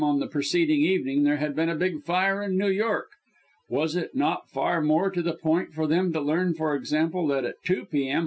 on the preceding evening, there had been a big fire in New York? Was it not far more to the point for them to learn, for example, that at 2 p.m.